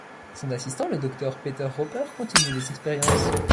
Son assistant, le docteur Peter Roper, continue les expériences.